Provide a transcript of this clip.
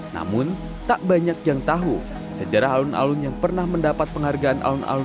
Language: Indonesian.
namun tak banyak yang tahu sejarah alun alun yang pernah mendapat penghargaan alun alun